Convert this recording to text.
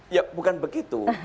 ya bukan begitu